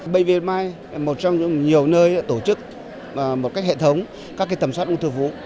bệnh viện mai là một trong những nhiều nơi tổ chức một cách hệ thống các cái tẩm soát ung thư vú